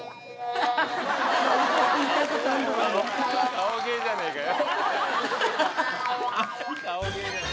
顔芸じゃねぇかよ。